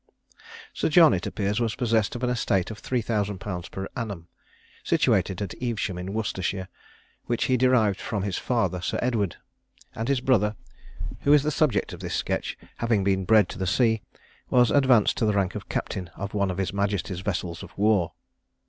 Sir John, it appears, was possessed of an estate of 3000_l._ per annum, situated at Evesham, in Worcestershire, which he derived from his father, Sir Edward: and his brother, who is the subject of this sketch, having been bred to the sea, was advanced to the rank of Captain of one of his Majesty's vessels of war.